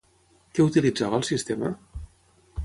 Què utilitzava el sistema?